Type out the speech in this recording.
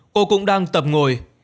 cô cũng đang tập ngồi